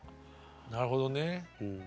なるほどね。